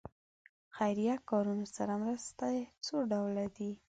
خیریه کارونو سره مرستې څو ډوله دي.